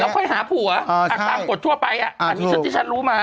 ค่อยหาผัวตามกฎทั่วไปอ่ะอันนี้ที่ฉันรู้มา